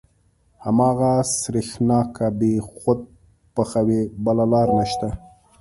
هماغه سرېښناکه به خود پخوې بله لاره نشته.